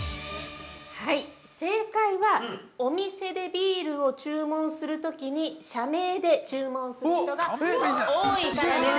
◆正解は、お店でビールを注文するときに、社名で注文する人が多いからです。